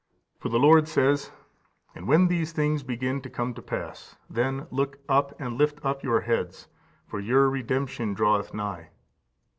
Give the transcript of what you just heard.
For the Lord says, "And when these things begin to come to pass, then look up, and lift up your heads; for your redemption draweth nigh."